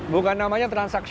bukan namanya transaksi